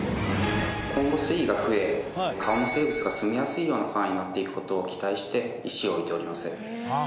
今後水位が増え川の生物がすみやすいような川になっていく事を期待して石を置いております。